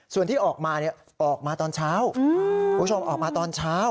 ส่วนที่ออกมาออกมาตอนเช้าคุณผู้ชมออกมาตอนเช้า